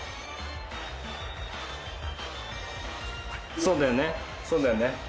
そうだよねそうだよね。